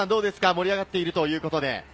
盛り上がっているということで。